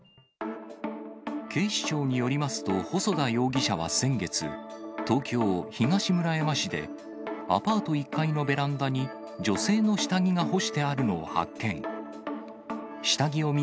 警視庁によりますと細田容疑者は先月、東京・東村山市で、アパート１階のベランダに女性の下着が干してあるのを発見。